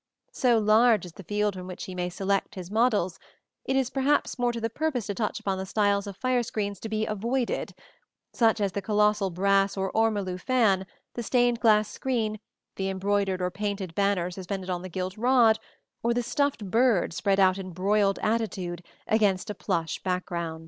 So large is the field from which he may select his models, that it is perhaps more to the purpose to touch upon the styles of fire screens to be avoided: such as the colossal brass or ormolu fan, the stained glass screen, the embroidered or painted banner suspended on a gilt rod, or the stuffed bird spread out in a broiled attitude against a plush background.